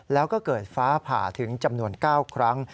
แล้วก็เกิดฟ้าผ่าถึงจำนวน๙ครั้ง